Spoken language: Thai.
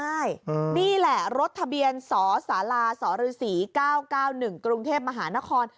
ไม่จำได้นี่แหละรถทะเบียนสศศฤ๙๙๑กรุงเทพฯมหานคร